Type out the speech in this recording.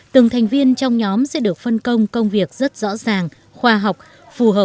từng thành viên trong nhóm sẽ được phân công công việc rất rõ ràng khoa học phù hợp với các thành viên